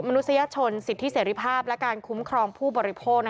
นุษยชนสิทธิเสรีภาพและการคุ้มครองผู้บริโภค